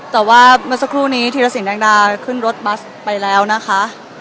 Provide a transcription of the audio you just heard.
แต่ว่าเมื่อสักครู่นี้ธีรสินแดงดาขึ้นรถบัสไปแล้วนะคะ